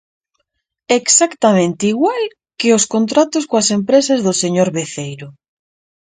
Exactamente igual que os contratos coas empresas do señor Veceiro.